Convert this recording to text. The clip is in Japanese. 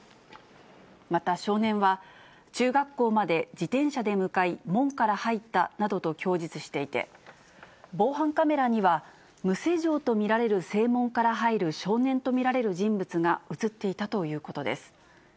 また、少年は中学校まで自転車で向かい、門から入ったなどと供述していて、防犯カメラには、無施錠と見られる正門から入る少年と見られる人物が写っていたということです。